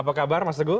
apa kabar mas teguh